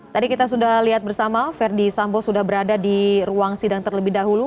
tadi kita sudah lihat bersama verdi sambo sudah berada di ruang sidang terlebih dahulu